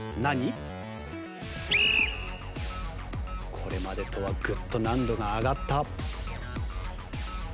これまでとはグッと難度が上がった。